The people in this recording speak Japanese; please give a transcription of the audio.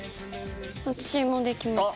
私もできました。